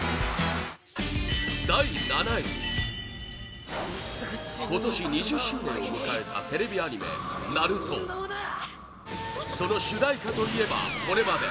第７位今年２０周年を迎えたテレビアニメ「ＮＡＲＵＴＯ」その主題歌といえばこれまで